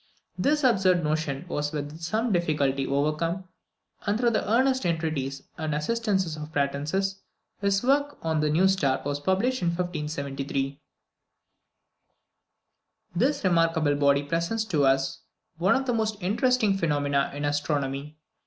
This absurd notion was with some difficulty overcome, and through the earnest entreaties and assistance of Pratensis, his work on the new star was published in 1573. This remarkable body presents to us one of the most interesting phenomena in astronomy.